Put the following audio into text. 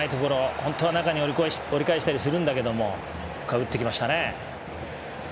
本当は中に折り返したりするんだけどここは打ってきましたね。